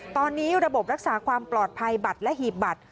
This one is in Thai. ตอนนี้ระบบรักษาความปลอดภัยบัตรและหีบบัตร